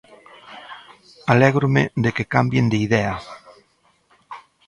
Alégrome de que cambien de idea.